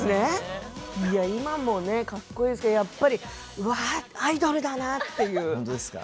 今も、かっこいいですけどやっぱりうわ、アイドルだな！っていう感じしますよね。